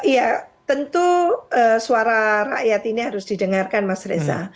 ya tentu suara rakyat ini harus didengarkan mas reza